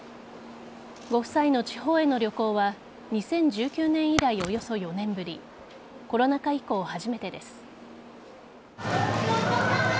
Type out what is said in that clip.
ご夫妻の地方への旅行は２０１９年以来およそ４年ぶりコロナ禍以降初めてです。